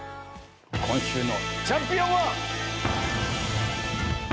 今週のチャンピオンは。